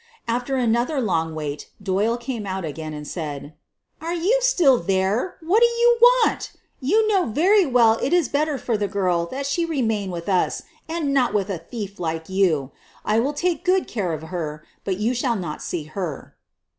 After another long wait Doyle came ont again and said: "Are you still there? What do you want? Yon know very well it is better for the girl that she re* main with us, and not with a thief like you. I will take good care of her, but you shall not see her."